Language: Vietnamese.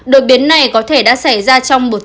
đột biến này có thể đã xảy ra trong một